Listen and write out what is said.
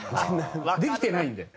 できてないんで。